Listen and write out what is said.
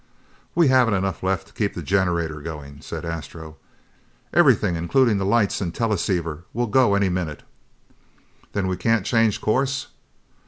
"We haven't enough left to keep the generator going!" said Astro. "Everything, including the lights and the teleceiver, will go any minute!" "Then we can't change course!"